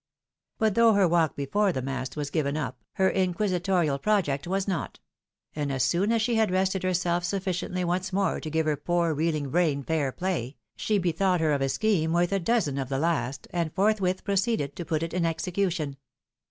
GOSSIP WITH BLACK BILLY. 53 But though her walk before the mast was given up, her inquisitorial project was not ; and as soon as she had rested her self sufficiently once more to give her poor reeling brain fair play, she bethought her of a scheme worth a dozen of the last, and forthwith proceeded to put it in execution.